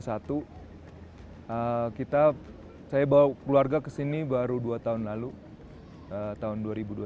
saya bawa keluarga ke sini baru dua tahun lalu tahun dua ribu dua puluh